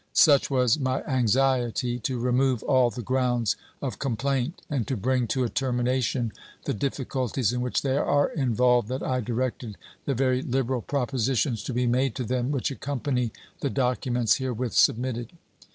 Such was my anxiety to remove all the grounds of complaint and to bring to a termination the difficulties in which they are involved that I directed the very liberal propositions to be made to them which accompany the documents herewith submitted.